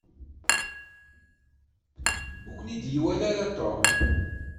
Ur ken-id-iwala ara Tom.